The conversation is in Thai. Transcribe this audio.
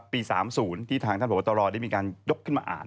ปี๓๐ที่ทางท่านพบตรได้มีการยกขึ้นมาอ่าน